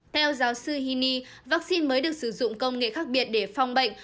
theo giáo sư hiney vaccine mới được sử dụng công nghệ khác biệt để phòng bệnh